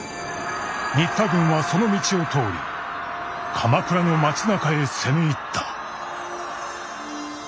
新田軍はその道を通り鎌倉の町なかへ攻め入った」。